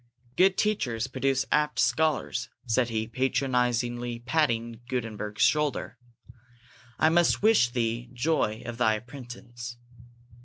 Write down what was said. "Good teachers produce apt scholars," said he, patronizingly patting Gutenberg's shoulder. "I must wish thee joy of thy apprentice.